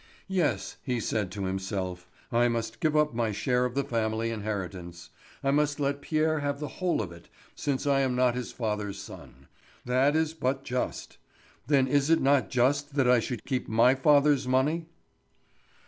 "Yes," he said to himself, "I must give up my share of the family inheritance. I must let Pierre have the whole of it, since I am not his father's son. That is but just. Then is it not just that I should keep my father's money?"